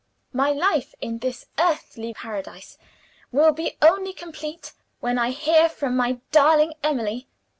My life, in this earthly paradise, will be only complete when I hear from my darling Emily.